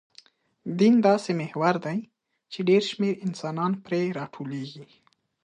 دین داسې محور دی، چې ډېر شمېر انسانان پرې راټولېږي.